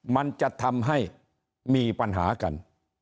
มันจะทำให้มีปัญหากัน